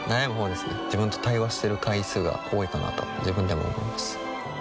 自分と対話してる回数が多いかなとは自分でも思います